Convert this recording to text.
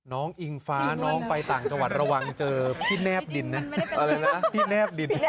อิงฟ้าน้องไปต่างจังหวัดระวังเจอพี่แนบดินนะอะไรนะที่แนบดิน